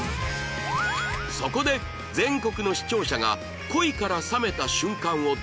そこで全国の視聴者が恋から冷めた瞬間をドラマ化